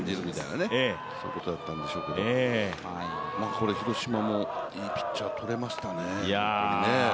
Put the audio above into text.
縁を感じるということでしょうけど、これ、広島もいいピッチャー取れましたね。